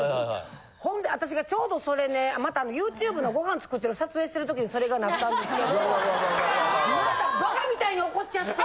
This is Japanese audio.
ほんで私がちょうどそれねまたＹｏｕＴｕｂｅのごはん作ってる撮影してる時にそれがなったんですけどまたバカみたいに怒っちゃって。